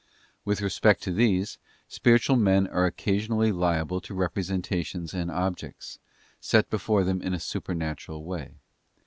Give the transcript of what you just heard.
With respect to these, spiritual men are occasionally liable to representations and objects, set before them in a supernatural way.